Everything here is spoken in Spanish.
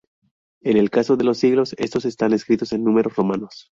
En el caso de los siglos, estos están escritos en números romanos.